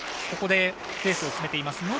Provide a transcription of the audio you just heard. ここでペースを進めています。